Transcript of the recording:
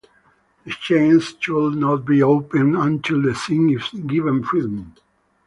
The chains should not be opened until the Sindh is given freedom.